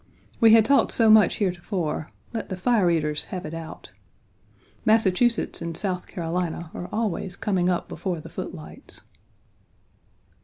We had talked so much heretofore. Let the fire eaters have it out. Massachusetts and South Carolina are always coming up before the footlights.